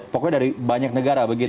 pokoknya dari banyak negara begitu